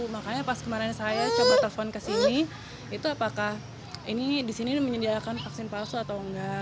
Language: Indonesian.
makanya pas kemarin saya coba telepon ke sini itu apakah ini di sini menyediakan vaksin palsu atau enggak